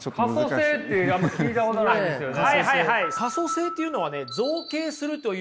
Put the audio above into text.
可塑性ってあんま聞いたことないですよね。